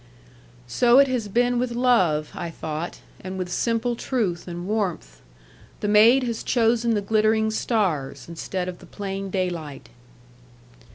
'So it has been with love,' I thought, 'and with simple truth and warmth. The maid has chosen the glittering stars, instead of the plain daylight.'